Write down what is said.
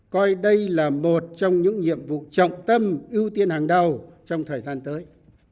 coi đây là một trong những nhiệm vụ trọng tâm ưu tiên hàng đầu trong thời gian tới